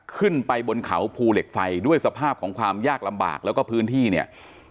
ขึ้นไปบนเขาภูเหล็กไฟด้วยสภาพของความยากลำบากแล้วก็พื้นที่เนี่ย